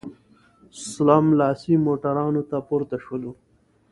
سملاسي موټرانو ته پورته شولو.